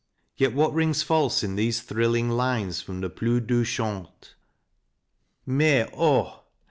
2 Yet what rings false in these thrilling lines from " Le Plus doux Chant "?" Mais oh